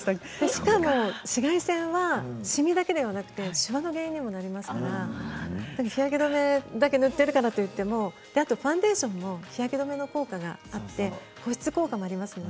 しかも紫外線はしみだけではなくてしわの原因にもなりますから日焼け止めを塗っているからといっても、あとはファンデーションも日焼け止め効果があって保湿効果があります。